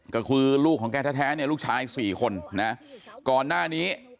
ก็คือลูกของแกแท้เนี่ยลูกชายสี่คนนะก่อนหน้านี้